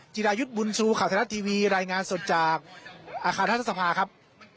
จิรายุทธ์บุญชูข่าวไทยรัฐทีวีรายงานสดจากอาคารรัฐสภาครับ